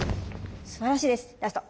すばらしいですラスト。